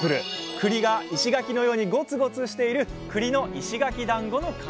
くりが石垣のようにゴツゴツしているくりの「石垣だんご」の完成です